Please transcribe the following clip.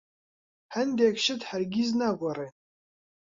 هەندێک شت هەرگیز ناگۆڕێن.